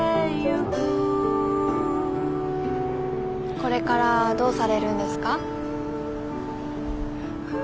これからどうされるんですか？